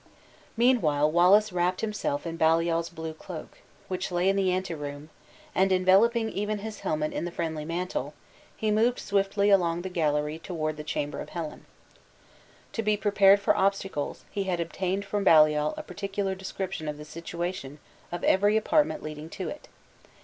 Meanwhile Wallace wrapped himself in Baliol's blue cloak, which lay in the anteroom, and enveloping even his helmet in the friendly mantle, he moved swiftly along the gallery toward the chamber of Helen. To be prepared for obstacles, he had obtained from Baliol a particular description of the situation of every apartment leading to it.